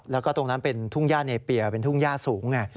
แล้วก็ตรงนั้นเป็นทุ่งย่าเนเปียเป็นทุ่งย่าสูงไง